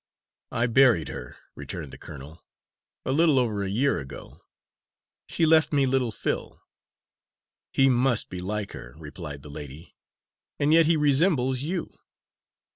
"I buried her," returned the colonel, "a little over a year ago. She left me little Phil." "He must be like her," replied the lady, "and yet he resembles you."